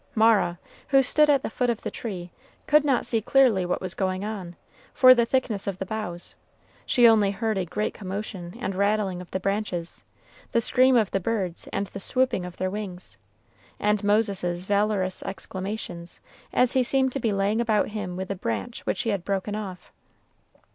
Mara, who stood at the foot of the tree, could not see clearly what was going on, for the thickness of the boughs; she only heard a great commotion and rattling of the branches, the scream of the birds, and the swooping of their wings, and Moses's valorous exclamations, as he seemed to be laying about him with a branch which he had broken off.